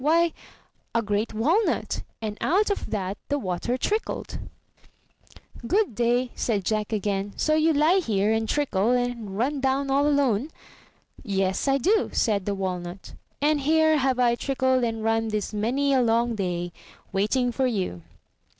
Why, a great walnut, and out of that the water trickled. Good day !*' said Jack again. *'So you lie here, and trickle and run down all alone?'' '*Yes, I do,'' said the Walnut; and here have I trickled and run this many a long day, waiting for you."